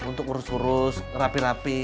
untuk urus urus rapi rapi